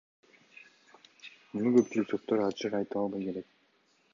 Муну көпчүлүк соттор ачык айта албай келет.